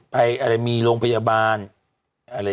ไปมีโรงพยาบาล